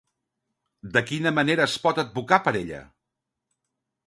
De quina manera es pot advocar per ella?